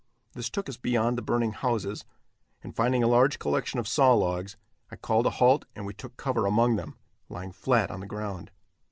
This took us beyond the burning houses, and finding a large collection of saw logs, I called a halt and we took cover among them, lying flat on the ground.